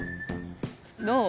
どう？